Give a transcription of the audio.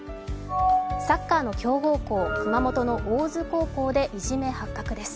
サッカーの強豪校、熊本の大津高校でいじめ発覚です。